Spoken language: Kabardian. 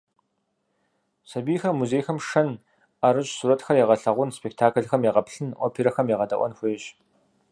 Сэбийхэр музейхэм шэн, ӏэрыщӏ сурэтхэр егъэлъэгъун, спектаклхэм егъэплъын, оперэхэм егъэдаӏуэн хуейщ.